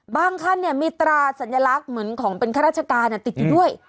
ขั้นมีตราสัญลักษณ์เหมือนของเป็นข้าราชการติดอยู่ด้วย